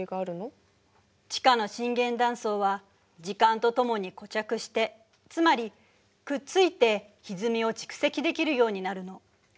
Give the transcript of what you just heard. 地下の震源断層は時間とともに固着してつまりくっついてひずみを蓄積できるようになるの。